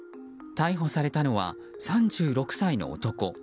逮捕されたのは、３６歳の男。